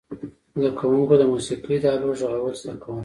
زده کوونکو د موسیقي د آلو غږول زده کول.